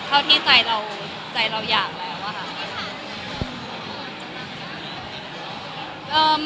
เท่าที่ใจเราอยากแล้วค่ะ